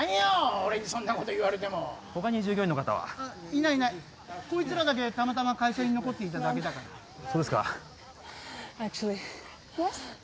俺にそんなこと言われても他に従業員の方は？あっいないいないこいつらだけたまたま会社に残っていただけだからそうですかＹｅｓ？